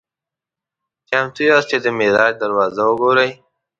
"چمتو یاست چې د معراج دروازه وګورئ؟"